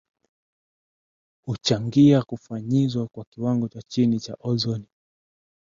huchangia kufanyizwa kwa kiwango cha chini cha ozoni